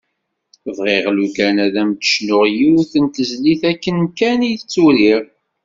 Bɣiɣ lukan ad m-d-cnuɣ yiwet n tezlit akken kan i tt-uriɣ.